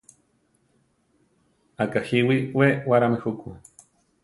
Akajíwi we warámi juku.